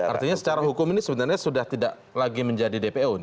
artinya secara hukum ini sebenarnya sudah tidak lagi menanggung